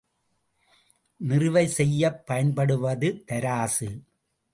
நிறுவை செய்யப் பயன்படுவது தராசு.